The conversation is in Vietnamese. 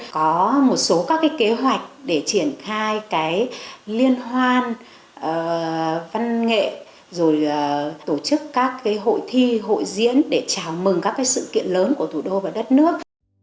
có một số các kế hoạch để triển khai liên hoan văn nghệ tổ chức các hội thi hội diễn để chào mừng các sự kiện lớn của thủ đô và đất nước